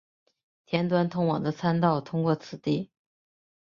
田端通往的参道通过此地。